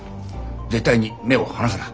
絶対に目を離すな。